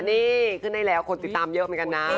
นี่ขึ้นได้แล้วคนติดตามเยอะเหมือนกันนะ